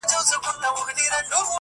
وایې به سندري سپوږمۍ ستوري به نڅا کوي,